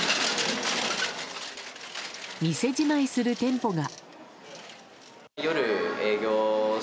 店じまいする店舗が。